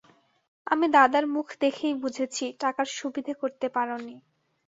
আমি দাদার মুখ দেখেই বুঝেছি টাকার সুবিধে করতে পার নি।